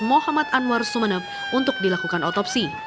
muhammad anwar sumeneb untuk dilakukan otopsi